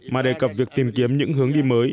mà đề cập việc tìm kiếm những hướng đi mới